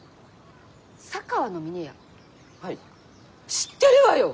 知ってるわよ！